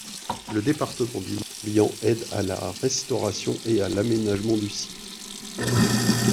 Le département du Morbihan aide à la restauration et à l'aménagement du site.